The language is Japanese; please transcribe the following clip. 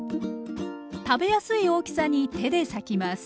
食べやすい大きさに手で裂きます。